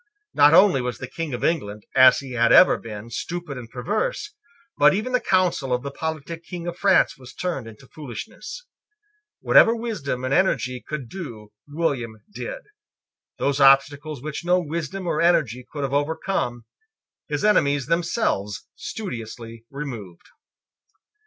Not only was the King of England, as he had ever been, stupid and perverse: but even the counsel of the politic King of France was turned into foolishness. Whatever wisdom and energy could do William did. Those obstacles which no wisdom or energy could have overcome his enemies themselves studiously removed.